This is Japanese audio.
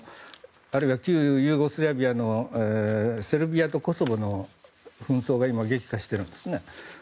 あるいは旧ユーゴスラビアのセルビアとコソボの紛争が今、激化しているんですね。